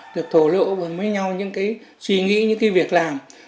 được thổ lộ với nhau những cái suy nghĩ những cái việc làm